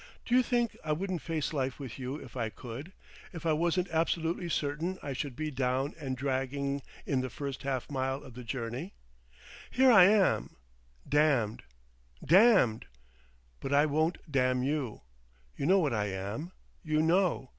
Do you think I wouldn't face life with you if I could, if I wasn't absolutely certain I should be down and dragging in the first half mile of the journey? Here I am—damned! Damned! But I won't damn you. You know what I am! You know.